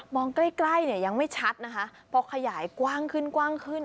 ใกล้ใกล้เนี่ยยังไม่ชัดนะคะพอขยายกว้างขึ้นกว้างขึ้น